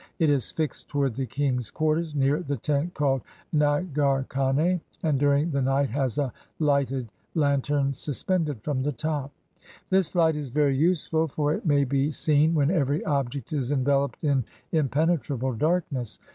It is fixed toward the king's quarters, near the tent called nagar kane. and during the night has a lighted lantern sus pended from the top. This Ught is ven, useful, for it may be seen when ever}' object is enveloped in impene trable darkness.